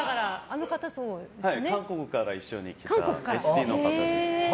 韓国から一緒に来たＳＰの方です。